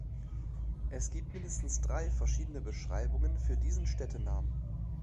Es gibt mindestens drei verschiedene Beschreibungen für diesen Städtenamen.